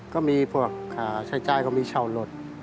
ก็มีพวกค่าใช้จ่ายก็มีเช่ารถ